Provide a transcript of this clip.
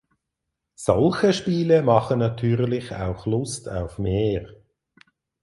Solche Spiele machen natürlich auch Lust auf mehr.